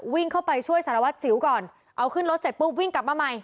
วิ่งเข้าไปช่วยสารวัตรสิวก่อนเอาขึ้นรถเสร็จปุ๊บวิ่งกลับมาใหม่